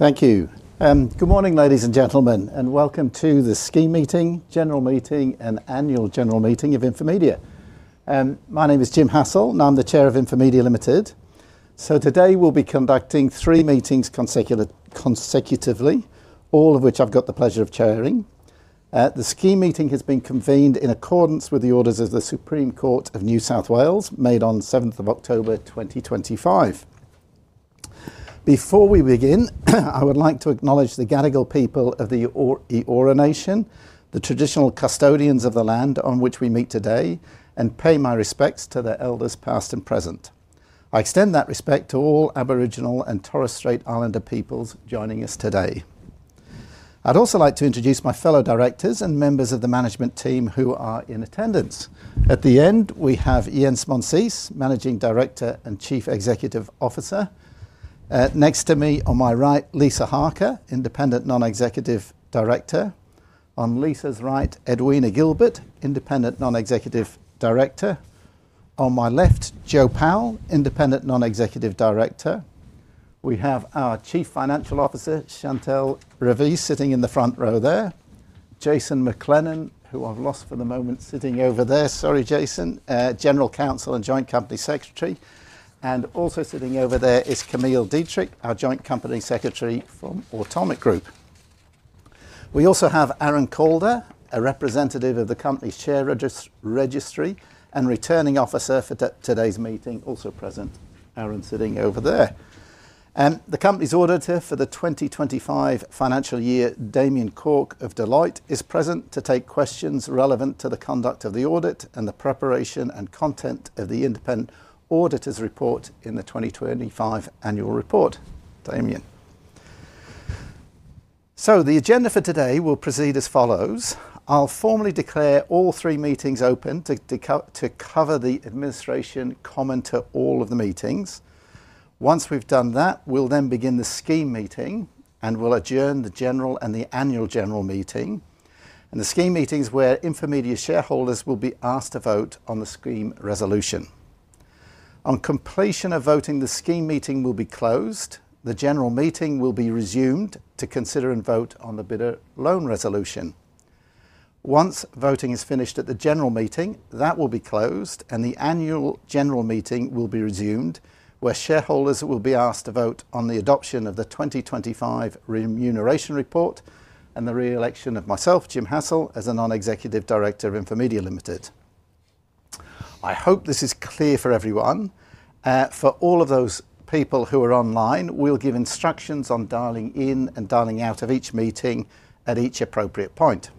Thank you. Good morning, ladies and gentlemen, and welcome to the SKI meeting, general meeting, and annual general meeting of Infomedia. My name is Jim Hassell, and I'm the Chair of Infomedia Limited. Today we'll be conducting three meetings consecutively, all of which I've got the pleasure of chairing. The SKI meeting has been convened in accordance with the orders of the Supreme Court of New South Wales, made on 7th of October 2025. Before we begin, I would like to acknowledge the Gadigal people of the Eora Nation, the traditional custodians of the land on which we meet today, and pay my respects to their elders past and present. I extend that respect to all Aboriginal and Torres Strait Islander peoples joining us today. I'd also like to introduce my fellow directors and members of the management team who are in attendance. At the end, we have Jens Monsees, Managing Director and Chief Executive Officer. Next to me on my right, Lisa Harker, Independent Non-Executive Director. On Lisa's right, Edwina Gilbert, Independent Non-Executive Director. On my left, Joe Powell, Independent Non-Executive Director. We have our Chief Financial Officer, Chantell Revie, sitting in the front row there. Jason McLennan, who I've lost for the moment, sitting over there. Sorry, Jason. General Counsel and Joint Company Secretary. Also sitting over there is Kamille Dietrich, our Joint Company Secretary from Automic Group. We also have Aaron Calder, a representative of the company's share registry and returning officer for today's meeting, also present. Aaron's sitting over there. The company's auditor for the 2025 financial year, Damien Cork of Deloitte, is present to take questions relevant to the conduct of the audit and the preparation and content of the independent auditor's report in the 2025 annual report. Damien. The agenda for today will proceed as follows. I'll formally declare all three meetings open to cover the administration comment to all of the meetings. Once we've done that, we'll then begin the SKI meeting and we'll adjourn the general and the annual general meeting. The SKI meeting is where Infomedia shareholders will be asked to vote on the SKIM resolution. On completion of voting, the SKI meeting will be closed. The general meeting will be resumed to consider and vote on the bidder loan resolution. Once voting is finished at the general meeting, that will be closed and the annual general meeting will be resumed where shareholders will be asked to vote on the adoption of the 2025 remuneration report and the re-election of myself, Jim Hassell, as a Non-Executive Director of Infomedia Limited. I hope this is clear for everyone. For all of those people who are online, we'll give instructions on dialing in and dialing out of each meeting at each appropriate point.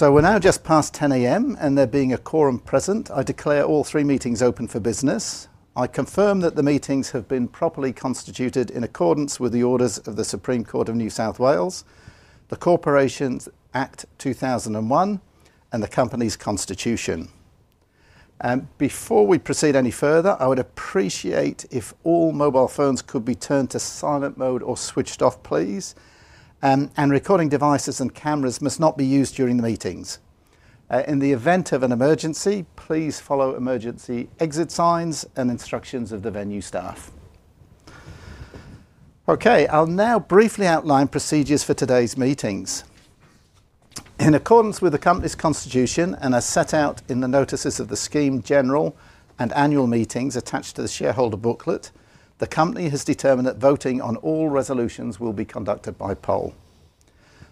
We are now just past 10:00 A.M. and there being a quorum present, I declare all three meetings open for business. I confirm that the meetings have been properly constituted in accordance with the orders of the Supreme Court of New South Wales, the Corporations Act 2001, and the company's constitution. Before we proceed any further, I would appreciate if all mobile phones could be turned to silent mode or switched off, please. Recording devices and cameras must not be used during the meetings. In the event of an emergency, please follow emergency exit signs and instructions of the venue staff. Okay, I'll now briefly outline procedures for today's meetings. In accordance with the company's constitution and as set out in the notices of the SKIM general and annual meetings attached to the shareholder booklet, the company has determined that voting on all resolutions will be conducted by poll.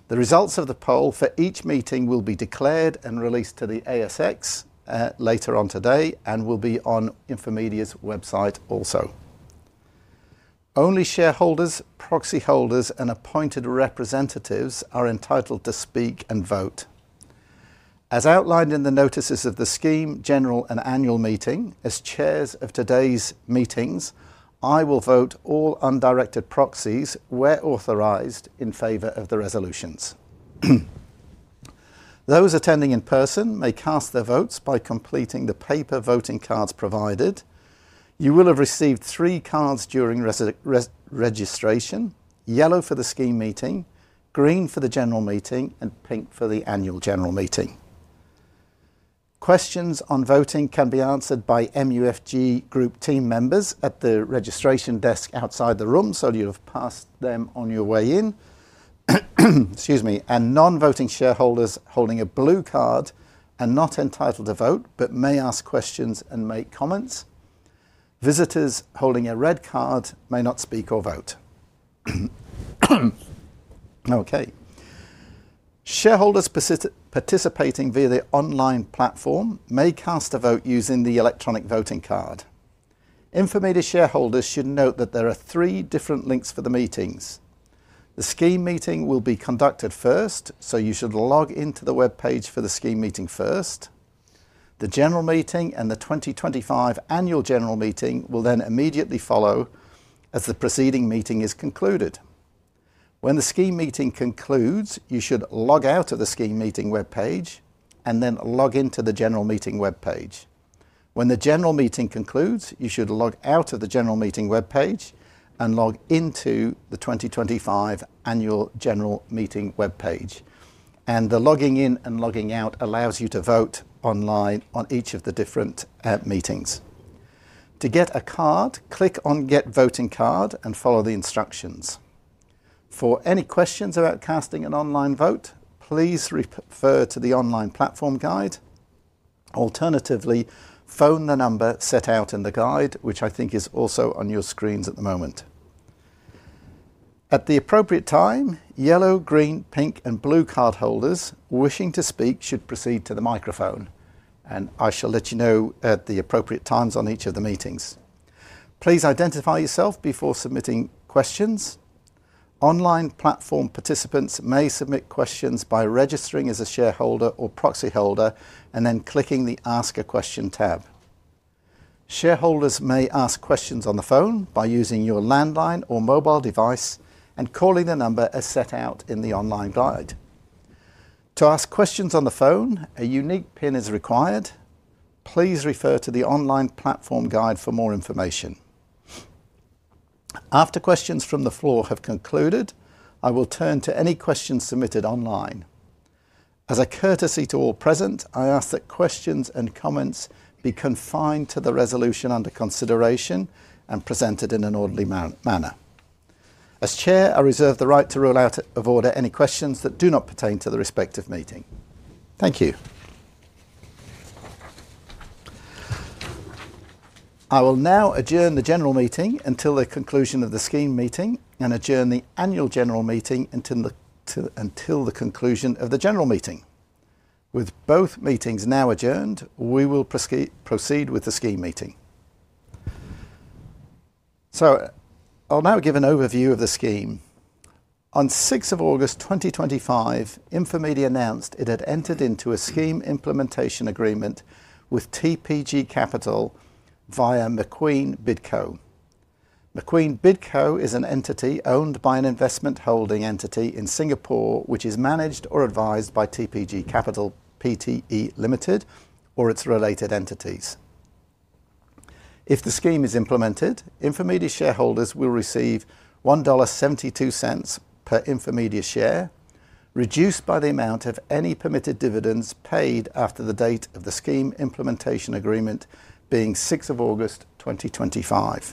The results of the poll for each meeting will be declared and released to the ASX later on today and will be on Infomedia's website also. Only shareholders, proxy holders, and appointed representatives are entitled to speak and vote. As outlined in the notices of the SKIM general and annual meeting, as chairs of today's meetings, I will vote all undirected proxies where authorized in favor of the resolutions. Those attending in person may cast their votes by completing the paper voting cards provided. You will have received three cards during registration: yellow for the SKI meeting, green for the general meeting, and pink for the annual general meeting. Questions on voting can be answered by MUFG Group team members at the registration desk outside the room, so you have passed them on your way in. Excuse me. Non-voting shareholders holding a blue card are not entitled to vote but may ask questions and make comments. Visitors holding a red card may not speak or vote. Okay. Shareholders participating via the online platform may cast a vote using the electronic voting card. Infomedia shareholders should note that there are three different links for the meetings. The SKI meeting will be conducted first, so you should log into the web page for the SKI meeting first. The general meeting and the 2025 annual general meeting will then immediately follow as the preceding meeting is concluded. When the SKI meeting concludes, you should log out of the SKI meeting web page and then log into the general meeting web page. When the general meeting concludes, you should log out of the general meeting web page and log into the 2025 annual general meeting web page. The logging in and logging out allows you to vote online on each of the different meetings. To get a card, click on "Get Voting Card" and follow the instructions. For any questions about casting an online vote, please refer to the online platform guide. Alternatively, phone the number set out in the guide, which I think is also on your screens at the moment. At the appropriate time, yellow, green, pink, and blue card holders wishing to speak should proceed to the microphone. I shall let you know at the appropriate times on each of the meetings. Please identify yourself before submitting questions. Online platform participants may submit questions by registering as a shareholder or proxy holder and then clicking the "Ask a Question" tab. Shareholders may ask questions on the phone by using your landline or mobile device and calling the number as set out in the online guide. To ask questions on the phone, a unique PIN is required. Please refer to the online platform guide for more information. After questions from the floor have concluded, I will turn to any questions submitted online. As a courtesy to all present, I ask that questions and comments be confined to the resolution under consideration and presented in an orderly manner. As Chair, I reserve the right to rule out of order any questions that do not pertain to the respective meeting. Thank you. I will now adjourn the general meeting until the conclusion of the SKI meeting and adjourn the annual general meeting until the conclusion of the general meeting. With both meetings now adjourned, we will proceed with the SKI meeting. I'll now give an overview of the SKIM. On 6th of August 2025, Infomedia announced it had entered into a SKIM implementation agreement with TPG Capital via McQueen BidCo. McQueen BidCo is an entity owned by an investment holding entity in Singapore, which is managed or advised by TPG Capital Pte Limited or its related entities. If the SKIM is implemented, Infomedia shareholders will receive 1.72 dollar per Infomedia share, reduced by the amount of any permitted dividends paid after the date of the SKIM implementation agreement being 6th of August 2025.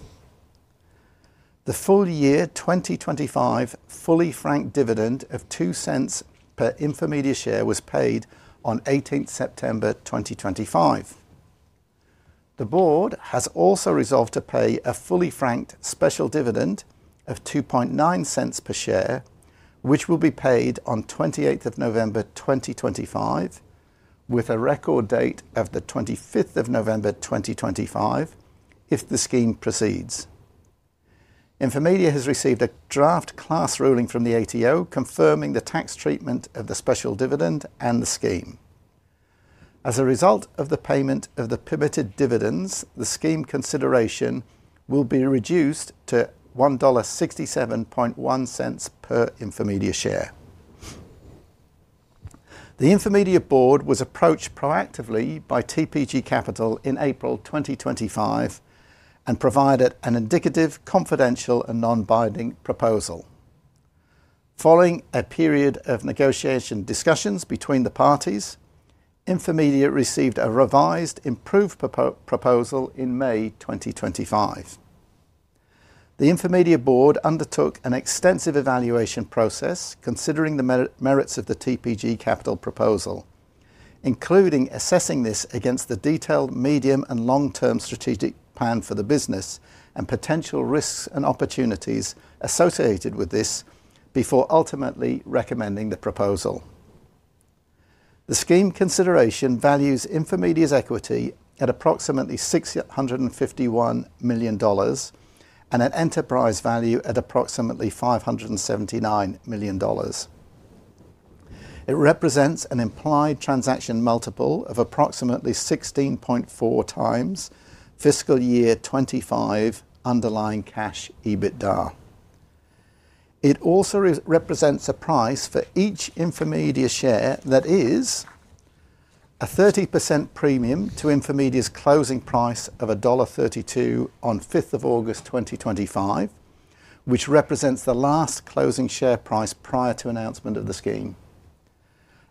The full year 2025 fully franked dividend of 0.02 per Infomedia share was paid on 18th September 2025. The board has also resolved to pay a fully franked special dividend of 0.029 per share, which will be paid on 28th of November 2025, with a record date of the 25th of November 2025 if the SKIM proceeds. Infomedia has received a draft class ruling from the ATO confirming the tax treatment of the special dividend and the SKIM. As a result of the payment of the permitted dividends, the SKIM consideration will be reduced to 1.671 dollar per Infomedia share. The Infomedia board was approached proactively by TPG Capital in April 2025 and provided an indicative, confidential, and non-binding proposal. Following a period of negotiation discussions between the parties, Infomedia received a revised, improved proposal in May 2025. The Infomedia board undertook an extensive evaluation process considering the merits of the TPG Capital proposal, including assessing this against the detailed medium and long-term strategic plan for the business and potential risks and opportunities associated with this before ultimately recommending the proposal. The SKIM consideration values Infomedia's equity at approximately 651 million dollars and an enterprise value at approximately 579 million dollars. It represents an implied transaction multiple of approximately 16.4x fiscal year 2025 underlying cash EBITDA. It also represents a price for each Infomedia share that is a 30% premium to Infomedia's closing price of dollar 1.32 on 5th of August 2025, which represents the last closing share price prior to announcement of the SKIM,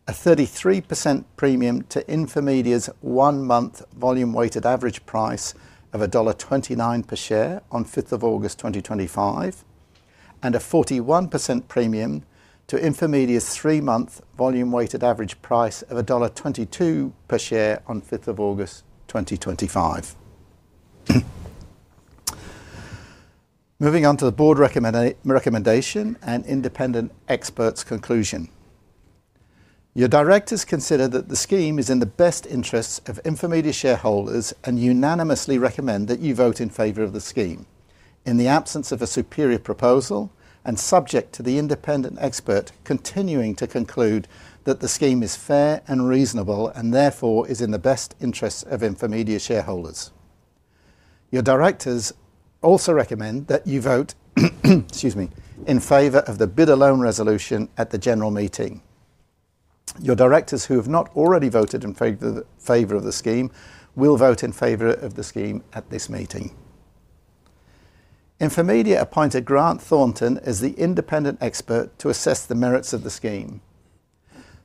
a 33% premium to Infomedia's one-month volume-weighted average price of dollar 1.29 per share on 5th of August 2025, and a 41% premium to Infomedia's three-month volume-weighted average price of dollar 1.22 per share on 5th of August 2025. Moving on to the board recommendation and independent experts' conclusion. Your directors consider that the SKIM is in the best interests of Infomedia shareholders and unanimously recommend that you vote in favor of the SKIM in the absence of a superior proposal and subject to the independent expert continuing to conclude that the SKIM is fair and reasonable and therefore is in the best interests of Infomedia shareholders. Your directors also recommend that you vote, excuse me, in favor of the bidder loan resolution at the general meeting. Your directors who have not already voted in favor of the SKIM will vote in favor of the SKIM at this meeting. Infomedia appointed Grant Thornton as the independent expert to assess the merits of the SKIM.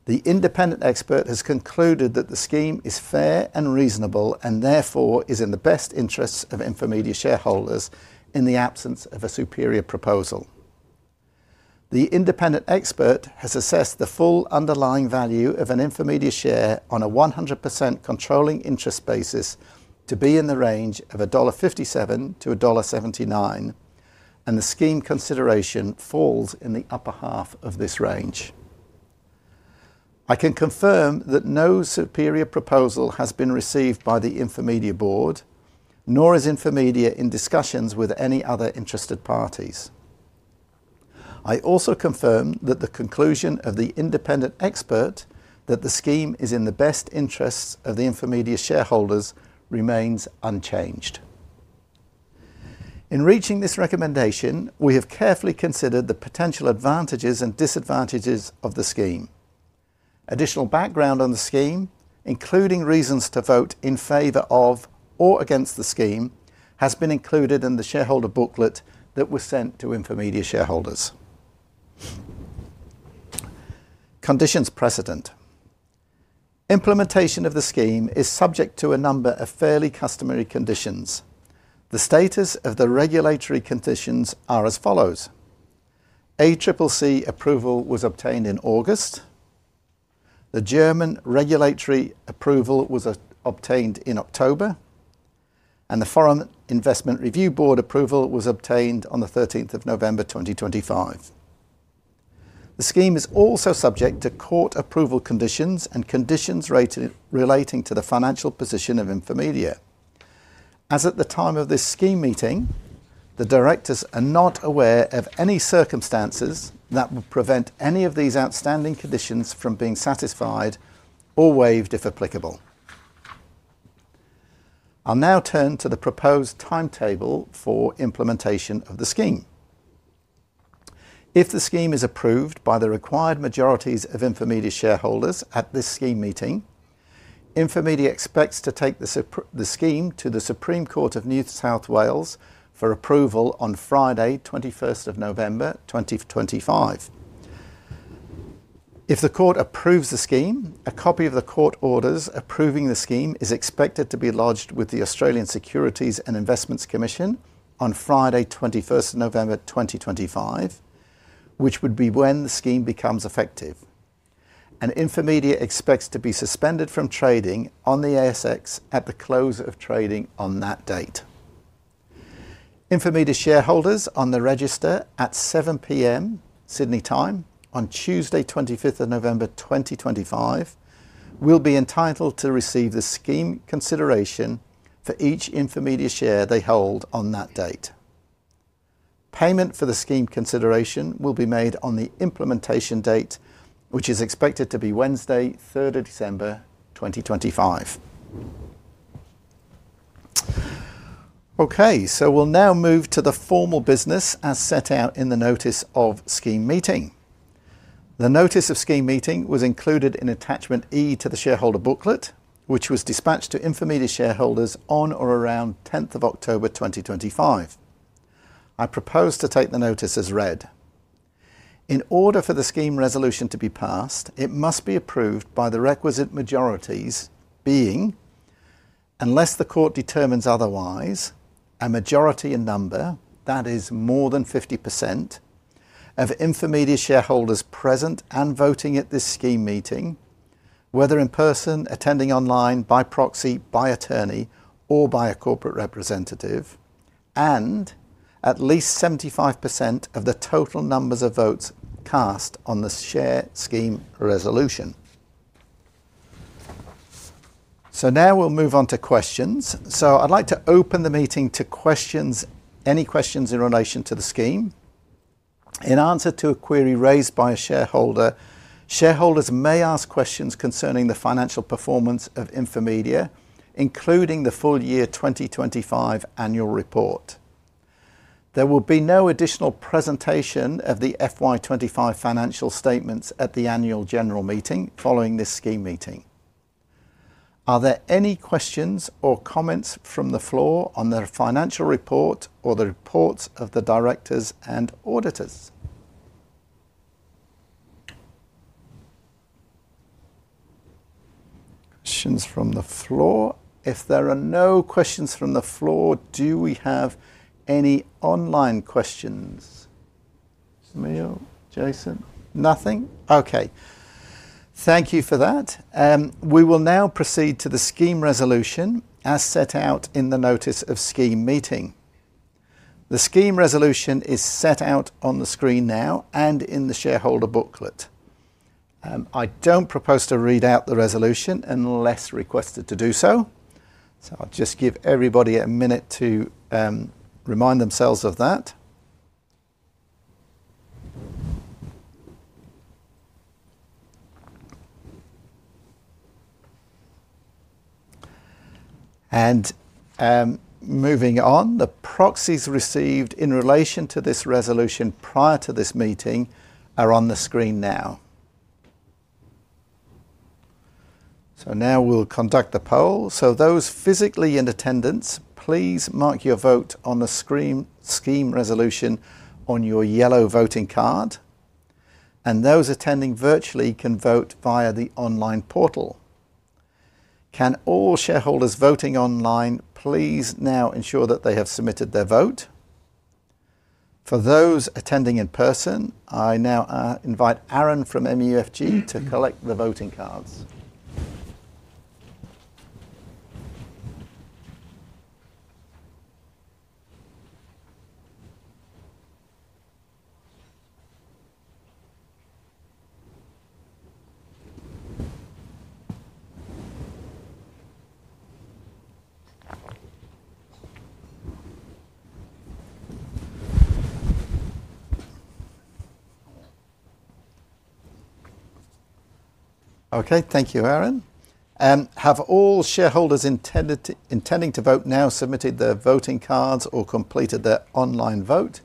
The independent expert has concluded that the SKIM is fair and reasonable and therefore is in the best interests of Infomedia shareholders in the absence of a superior proposal. The independent expert has assessed the full underlying value of an Infomedia share on a 100% controlling interest basis to be in the range of 1.57-1.79 dollar, and the SKIM consideration falls in the upper half of this range. I can confirm that no superior proposal has been received by the Infomedia board, nor is Infomedia in discussions with any other interested parties. I also confirm that the conclusion of the independent expert that the SKIM is in the best interests of the Infomedia shareholders remains unchanged. In reaching this recommendation, we have carefully considered the potential advantages and disadvantages of the SKIM. Additional background on the SKIM, including reasons to vote in favor of or against the SKIM, has been included in the shareholder booklet that was sent to Infomedia shareholders. Conditions precedent. Implementation of the SKIM is subject to a number of fairly customary conditions. The status of the regulatory conditions is as follows: ACCC approval was obtained in August. The German regulatory approval was obtained in October, and the Foreign Investment Review Board approval was obtained on the 13th of November 2025. The SKIM is also subject to court approval conditions and conditions relating to the financial position of Infomedia. As at the time of this SKI meeting, the directors are not aware of any circumstances that will prevent any of these outstanding conditions from being satisfied or waived if applicable. I'll now turn to the proposed timetable for implementation of the SKIM. If the SKIM is approved by the required majorities of Infomedia shareholders at this SKI meeting, Infomedia expects to take the SKIM to the Supreme Court of New South Wales for approval on Friday, 21st of November 2025. If the court approves the SKIM, a copy of the court orders approving the SKIM is expected to be lodged with the Australian Securities and Investments Commission on Friday, 21st of November 2025, which would be when the SKIM becomes effective. Infomedia expects to be suspended from trading on the ASX at the close of trading on that date. Infomedia shareholders on the register at 7:00 P.M. Sydney time on Tuesday, 25th of November 2025, will be entitled to receive the SKIM consideration for each Infomedia share they hold on that date. Payment for the SKIM consideration will be made on the implementation date, which is expected to be Wednesday, 3rd of December 2025. Okay, so we'll now move to the formal business as set out in the notice of SKI meeting. The notice of SKI meeting was included in attachment E to the shareholder booklet, which was dispatched to Infomedia shareholders on or around 10th of October 2025. I propose to take the notice as read. In order for the SKIM resolution to be passed, it must be approved by the requisite majorities, being unless the court determines otherwise, a majority in number, that is more than 50%, of Infomedia shareholders present and voting at this SKI meeting, whether in person, attending online, by proxy, by attorney, or by a corporate representative, and at least 75% of the total numbers of votes cast on the share SKIM resolution. Now we'll move on to questions. I'd like to open the meeting to questions, any questions in relation to the SKIM. In answer to a query raised by a shareholder, shareholders may ask questions concerning the financial performance of Infomedia, including the full year 2025 annual report. There will be no additional presentation of the FY 2025 financial statements at the annual general meeting following this SKI meeting. Are there any questions or comments from the floor on the financial report or the reports of the directors and auditors? Questions from the floor. If there are no questions from the floor, do we have any online questions? Samuel, Jason? Nothing? Okay. Thank you for that. We will now proceed to the SKIM resolution as set out in the notice of SKI meeting. The SKIM resolution is set out on the screen now and in the shareholder booklet. I do not propose to read out the resolution unless requested to do so. I will just give everybody a minute to remind themselves of that. Moving on, the proxies received in relation to this resolution prior to this meeting are on the screen now. Now we will conduct the poll. Those physically in attendance, please mark your vote on the SKIM resolution on your yellow voting card. Those attending virtually can vote via the online portal. Can all shareholders voting online please now ensure that they have submitted their vote? For those attending in person, I now invite Aaron from MUFG to collect the voting cards. Thank you, Aaron. Have all shareholders intending to vote now submitted their voting cards or completed their online vote?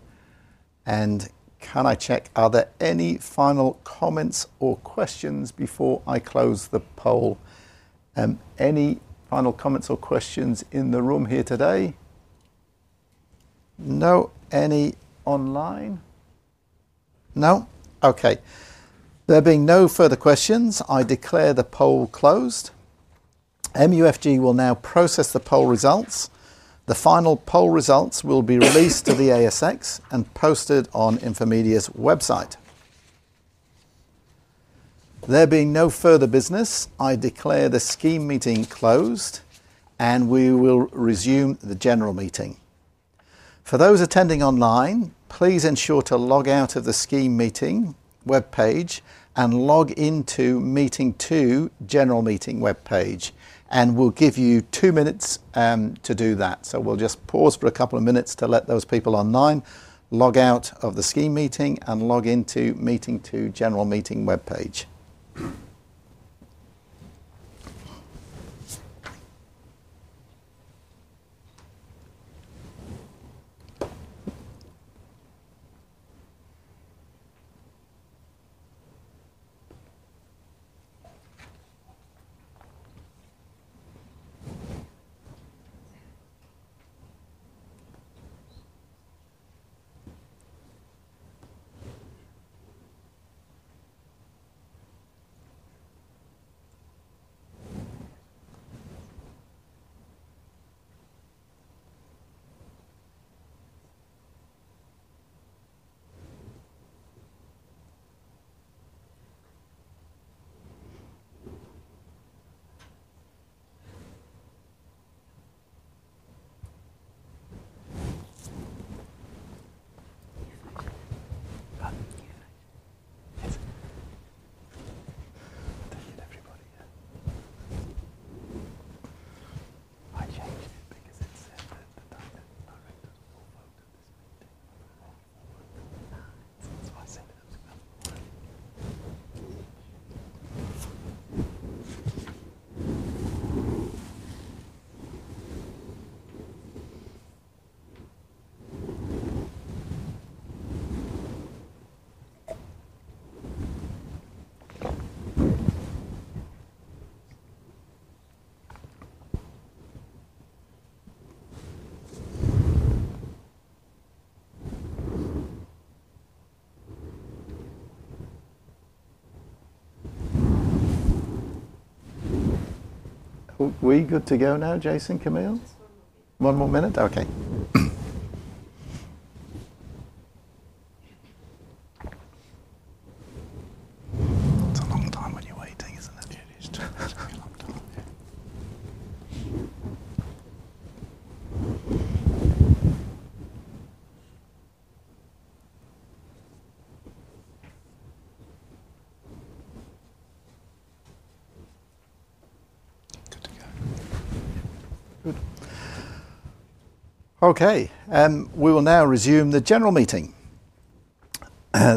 Can I check, are there any final comments or questions before I close the poll? Any final comments or questions in the room here today? No? Any online? No? There being no further questions, I declare the poll closed. MUFG will now process the poll results. The final poll results will be released to the ASX and posted on Infomedia's website. There being no further business, I declare the SKI meeting closed and we will resume the general meeting. For those attending online, please ensure to log out of the SKI meeting web page and log into meeting two general meeting web page. We will give you two minutes to do that. We will just pause for a couple of minutes to let those people online log out of the SKI meeting and log into meeting two general meeting web page. Thank you, everybody. I changed it because it said that the directors will vote at this meeting. That is why I said it. Are we good to go now, Jason, Camille? One more minute. One more minute? Okay. It is a long time when you are waiting, is it not? It is a long time. Good to go. Good. Okay. We will now resume the general meeting.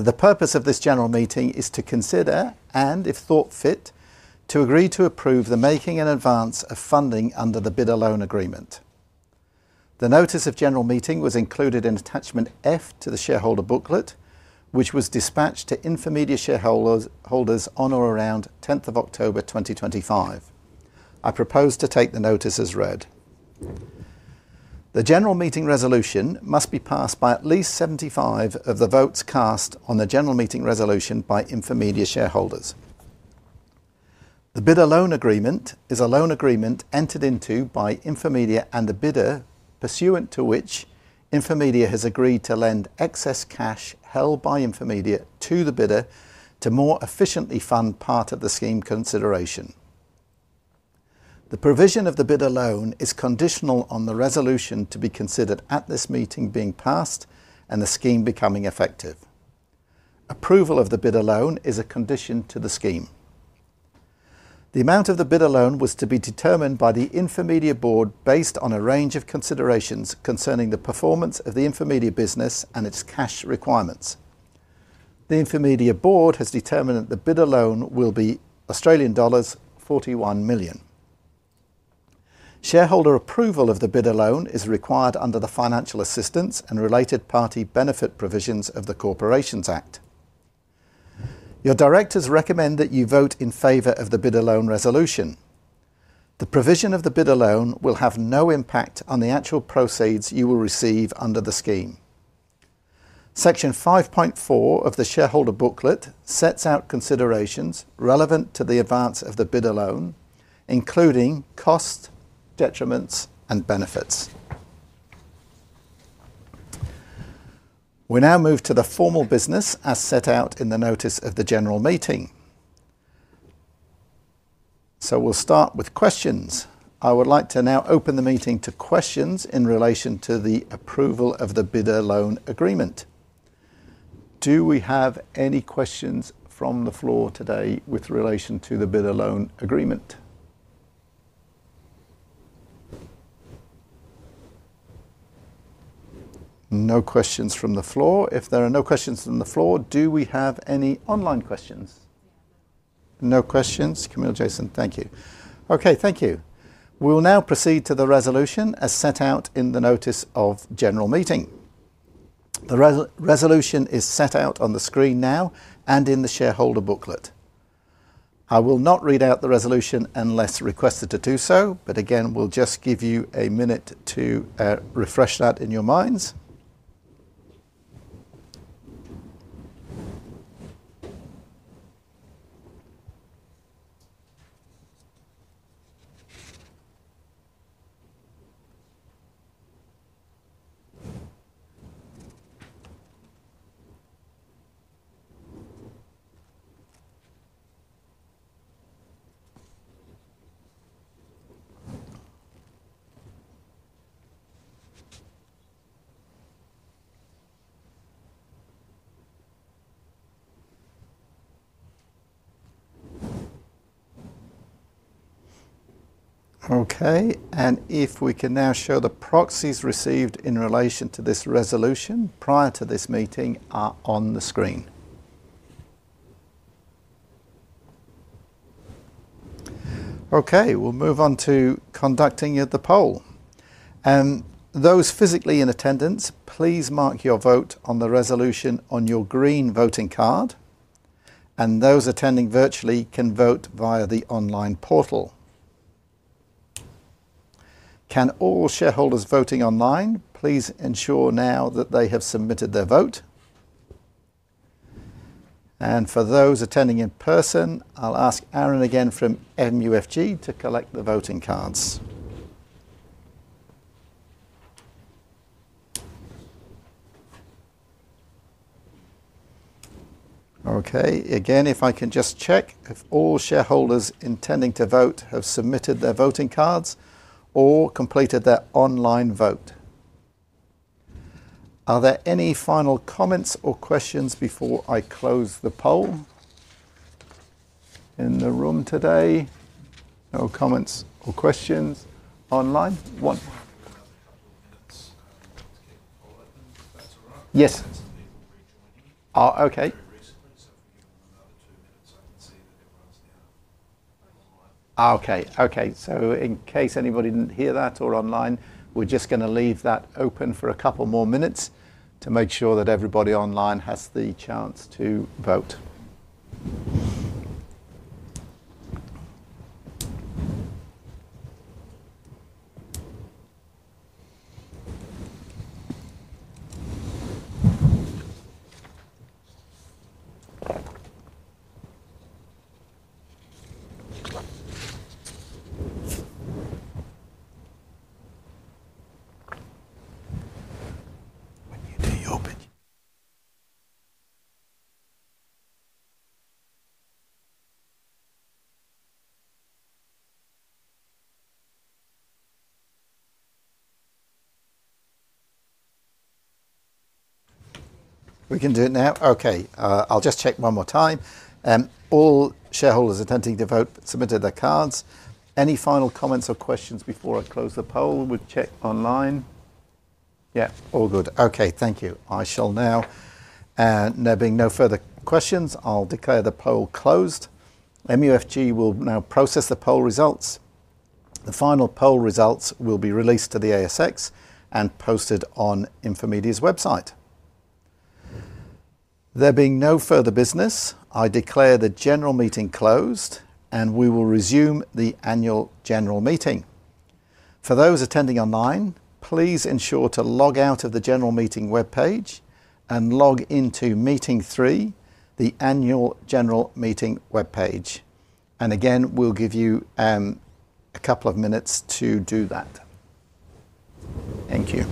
The purpose of this general meeting is to consider, and if thought fit, to agree to approve the making in advance of funding under the Bidder Loan Agreement. The notice of general meeting was included in Attachment F to the shareholder booklet, which was dispatched to Infomedia shareholders on or around 10th of October 2025. I propose to take the notice as read. The general meeting resolution must be passed by at least 75% of the votes cast on the general meeting resolution by Infomedia shareholders. The Bidder Loan Agreement is a loan agreement entered into by Infomedia and the bidder, pursuant to which Infomedia has agreed to lend excess cash held by Infomedia to the bidder to more efficiently fund part of the SKIM consideration. The provision of the bidder loan is conditional on the resolution to be considered at this meeting being passed and the SKIM becoming effective. Approval of the bidder loan is a condition to the SKIM. The amount of the bidder loan was to be determined by the Infomedia board based on a range of considerations concerning the performance of the Infomedia business and its cash requirements. The Infomedia board has determined that the bidder loan will be Australian dollars 41 million. Shareholder approval of the bidder loan is required under the financial assistance and related party benefit provisions of the Corporations Act. Your directors recommend that you vote in favor of the bidder loan resolution. The provision of the bidder loan will have no impact on the actual proceeds you will receive under the SKIM. Section 5.4 of the shareholder booklet sets out considerations relevant to the advance of the bidder loan, including costs, detriments, and benefits. We now move to the formal business as set out in the notice of the general meeting. We'll start with questions. I would like to now open the meeting to questions in relation to the approval of the Bidder Loan Agreement. Do we have any questions from the floor today with relation to the Bidder Loan Agreement? No questions from the floor. If there are no questions from the floor, do we have any online questions? No questions. Camille, Jason, thank you. Okay, thank you. We'll now proceed to the resolution as set out in the notice of general meeting. The resolution is set out on the screen now and in the shareholder booklet. I will not read out the resolution unless requested to do so, but again, we'll just give you a minute to refresh that in your minds. Okay. If we can now show the proxies received in relation to this resolution prior to this meeting, they are on the screen. Okay, we'll move on to conducting the poll. Those physically in attendance, please mark your vote on the resolution on your green voting card. Those attending virtually can vote via the online portal. Can all shareholders voting online please ensure now that they have submitted their vote. For those attending in person, I'll ask Aaron again from MUFG to collect the voting cards. Okay. If I can just check if all shareholders intending to vote have submitted their voting cards or completed their online vote. Are there any final comments or questions before I close the poll? In the room today, no comments or questions online? Yes. Okay. In case anybody did not hear that or online, we're just going to leave that open for a couple more minutes to make sure that everybody online has the chance to vote. When you do your opinion. We can do it now. Okay. I'll just check one more time. All shareholders attending to vote submitted their cards. Any final comments or questions before I close the poll? We'll check online. Yeah, all good. Okay, thank you. I shall now, there being no further questions, I'll declare the poll closed. MUFG will now process the poll results. The final poll results will be released to the ASX and posted on Infomedia's website. There being no further business, I declare the general meeting closed and we will resume the annual general meeting. For those attending online, please ensure to log out of the general meeting web page and log into meeting three, the annual general meeting web page. Again, we'll give you a couple of minutes to do that. Thank you.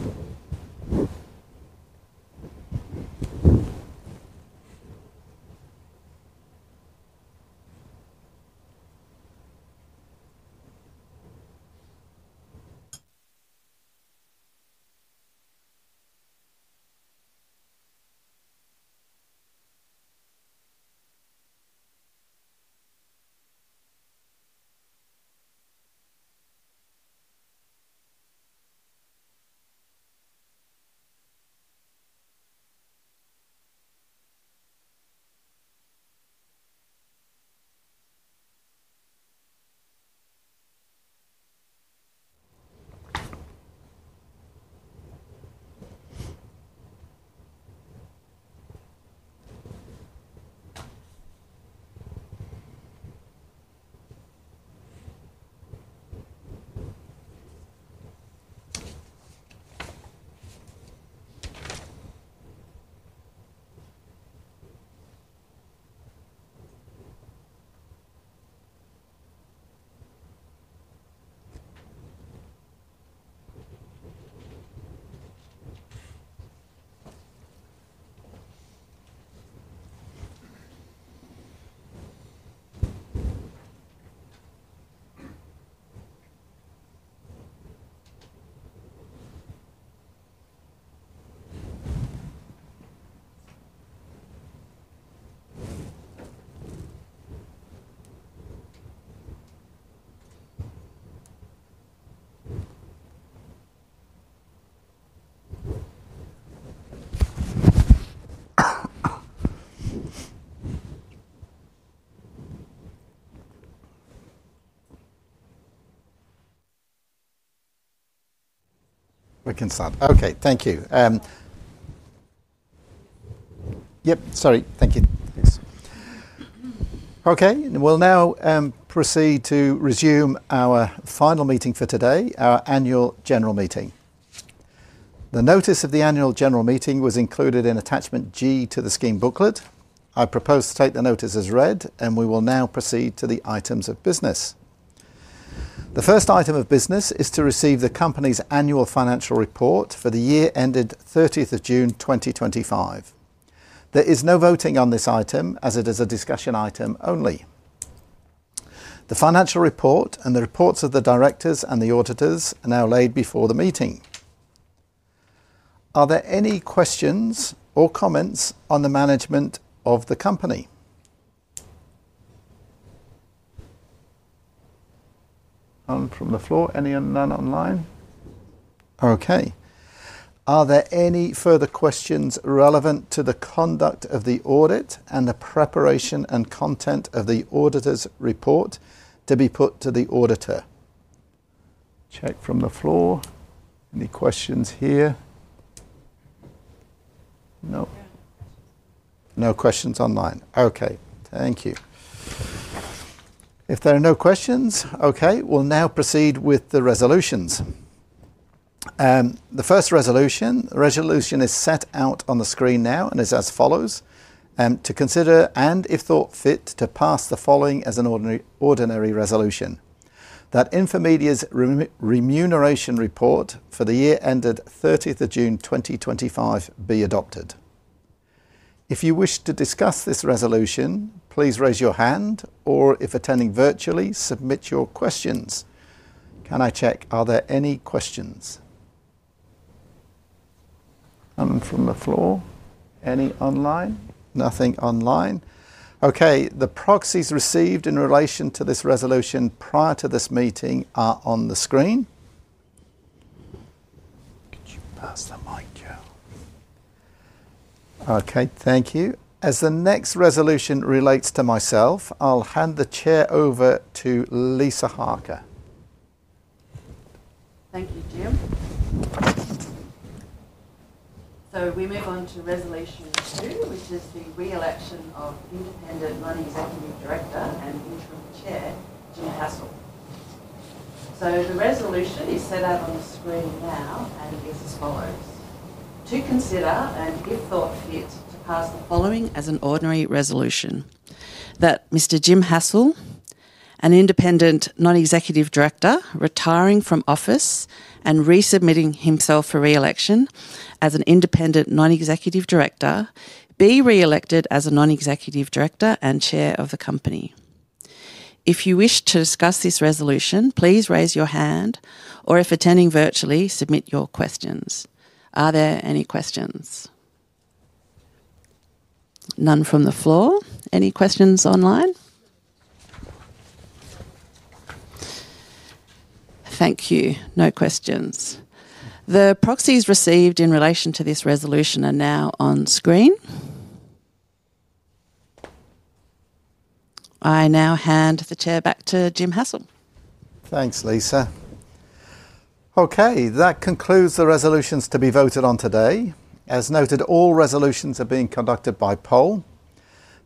We can start. Okay, thank you. Yep, sorry. Thank you. Okay. We'll now proceed to resume our final meeting for today, our annual general meeting. The notice of the annual general meeting was included in attachment G to the SKIM booklet. I propose to take the notice as read and we will now proceed to the items of business. The first item of business is to receive the company's annual financial report for the year ended 30th of June 2025. There is no voting on this item as it is a discussion item only. The financial report and the reports of the directors and the auditors are now laid before the meeting. Are there any questions or comments on the management of the company? From the floor, anyone online? Okay. Are there any further questions relevant to the conduct of the audit and the preparation and content of the auditor's report to be put to the auditor? Check from the floor. Any questions here? No? No questions online. Okay. Thank you. If there are no questions, okay, we'll now proceed with the resolutions. The first resolution is set out on the screen now and is as follows. To consider and if thought fit to pass the following as an ordinary resolution. That Infomedia's remuneration report for the year ended 30th of June 2025 be adopted. If you wish to discuss this resolution, please raise your hand or if attending virtually, submit your questions. Can I check, are there any questions? From the floor, any online? Nothing online. Okay. The proxies received in relation to this resolution prior to this meeting are on the screen. Could you pass them on, Jim? Okay. Thank you. As the next resolution relates to myself, I'll hand the chair over to Lisa Harker. Thank you, Jim. We move on to resolution two, which is the re-election of Independent Non-Executive Director and Interim Chair, Jim Hassell. The resolution is set out on the screen now and is as follows. To consider and if thought fit to pass the following as an ordinary resolution. That Mr. Jim Hassell, an Independent Non-Executive Director retiring from office and resubmitting himself for re-election as an Independent Non-Executive Director, be re-elected as a Non-Executive Director and Chair of the company. If you wish to discuss this resolution, please raise your hand or if attending virtually, submit your questions. Are there any questions? None from the floor. Any questions online? Thank you. No questions. The proxies received in relation to this resolution are now on screen. I now hand the chair back to Jim Hassell. Thanks, Lisa. That concludes the resolutions to be voted on today. As noted, all resolutions are being conducted by poll.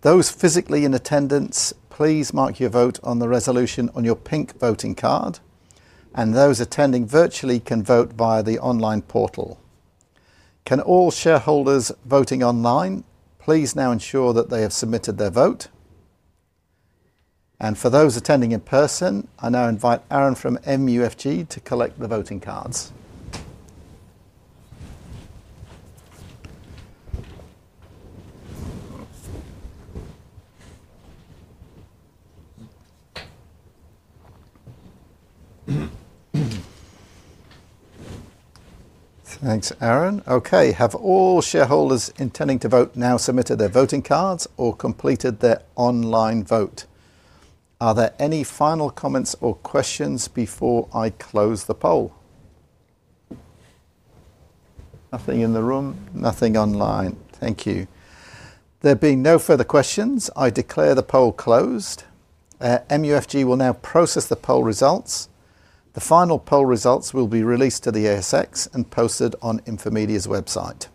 Those physically in attendance, please mark your vote on the resolution on your pink voting card. Those attending virtually can vote via the online portal. Can all shareholders voting online please now ensure that they have submitted their vote. For those attending in person, I now invite Aaron from MUFG to collect the voting cards. Thanks, Aaron. Okay. Have all shareholders intending to vote now submitted their voting cards or completed their online vote? Are there any final comments or questions before I close the poll? Nothing in the room. Nothing online. Thank you. There being no further questions, I declare the poll closed. MUFG will now process the poll results. The final poll results will be released to the ASX and posted on Infomedia's website.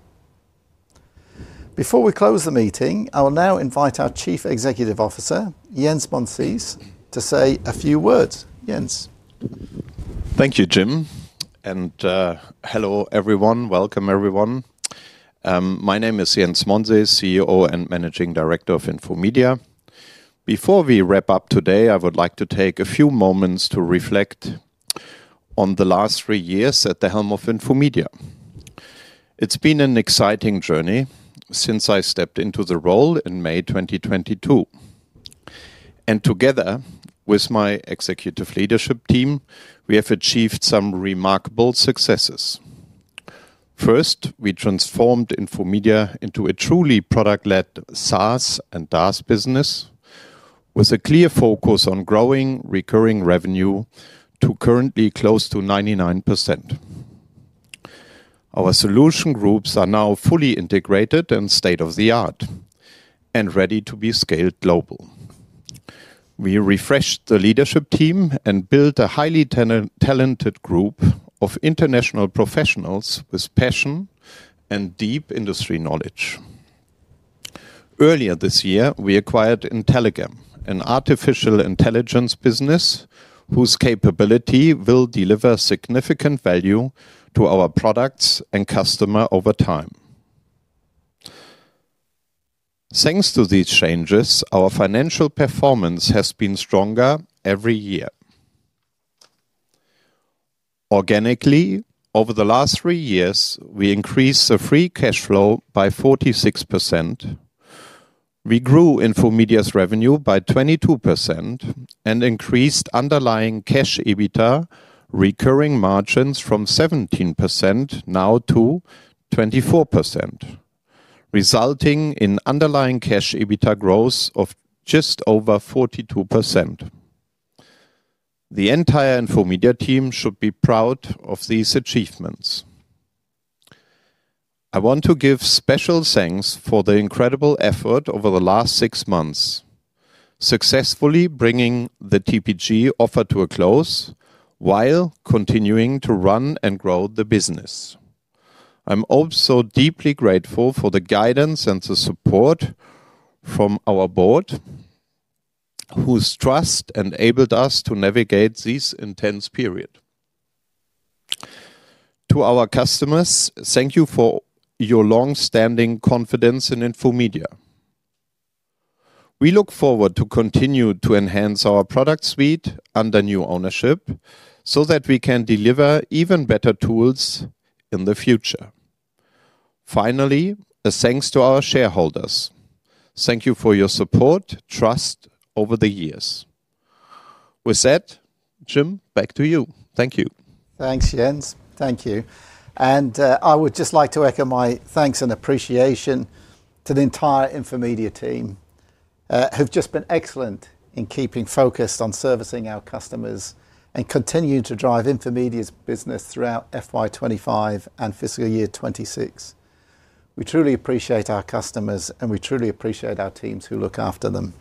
Before we close the meeting, I will now invite our Chief Executive Officer, Jens Monsees, to say a few words. Jens. Thank you, Jim. And hello, everyone. Welcome, everyone. My name is Jens Monsees, CEO and Managing Director of Infomedia. Before we wrap up today, I would like to take a few moments to reflect on the last three years at the helm of Infomedia. It's been an exciting journey since I stepped into the role in May 2022. Together with my executive leadership team, we have achieved some remarkable successes. First, we transformed Infomedia into a truly product-led SaaS and DaaS business with a clear focus on growing recurring revenue to currently close to 99%. Our solution groups are now fully integrated and state-of-the-art and ready to be scaled global. We refreshed the leadership team and built a highly talented group of international professionals with passion and deep industry knowledge. Earlier this year, we acquired Intelligam, an artificial intelligence business whose capability will deliver significant value to our products and customers over time. Thanks to these changes, our financial performance has been stronger every year. Organically, over the last three years, we increased the free cash flow by 46%. We grew Infomedia's revenue by 22% and increased underlying cash EBITDA recurring margins from 17% now to 24%, resulting in underlying cash EBITDA growth of just over 42%. The entire Infomedia team should be proud of these achievements. I want to give special thanks for the incredible effort over the last six months, successfully bringing the TPG offer to a close while continuing to run and grow the business. I'm also deeply grateful for the guidance and the support from our board whose trust enabled us to navigate this intense period. To our customers, thank you for your long-standing confidence in Infomedia. We look forward to continue to enhance our product suite under new ownership so that we can deliver even better tools in the future. Finally, thanks to our shareholders. Thank you for your support, trust over the years. With that, Jim, back to you. Thank you. Thanks, Jens. Thank you. I would just like to echo my thanks and appreciation to the entire Infomedia team who've just been excellent in keeping focused on servicing our customers and continuing to drive Infomedia's business throughout FY 2025 and fiscal year 2026. We truly appreciate our customers and we truly appreciate our teams who look after them.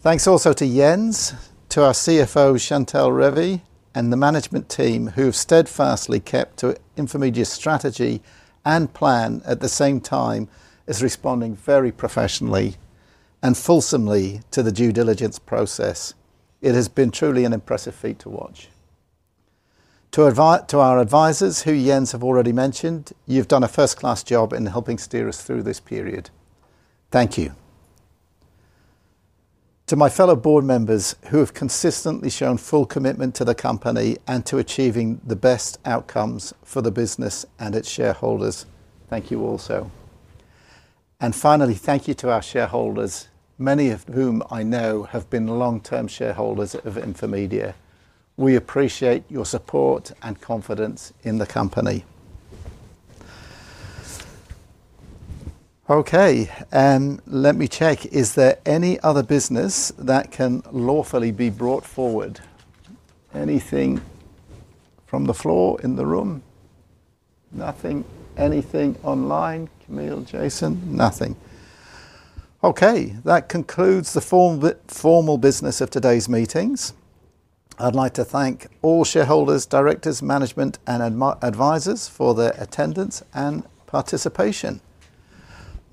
Thanks also to Jens, to our CFO, Chantell Revie, and the management team who have steadfastly kept to Infomedia's strategy and plan at the same time as responding very professionally and fulsomely to the due diligence process. It has been truly an impressive feat to watch. To our advisors, who Jens has already mentioned, you have done a first-class job in helping steer us through this period. Thank you. To my fellow board members who have consistently shown full commitment to the company and to achieving the best outcomes for the business and its shareholders, thank you also. Finally, thank you to our shareholders, many of whom I know have been long-term shareholders of Infomedia. We appreciate your support and confidence in the company. Okay. Let me check. Is there any other business that can lawfully be brought forward? Anything from the floor in the room? Nothing. Anything online? Camille, Jason? Nothing. Okay. That concludes the formal business of today's meetings. I'd like to thank all shareholders, directors, management, and advisors for their attendance and participation.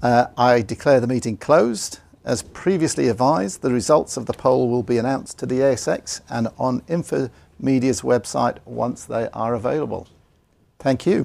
I declare the meeting closed. As previously advised, the results of the poll will be announced to the ASX and on Infomedia's website once they are available. Thank you.